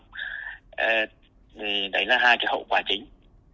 thì đấy là hai cái hậu quả chính